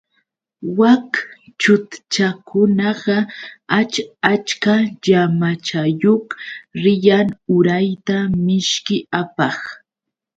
Wak chutchakunaqa ach achka llamachayuq riyan urayta mishki apaq.